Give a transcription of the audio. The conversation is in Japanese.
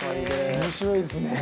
面白いですね。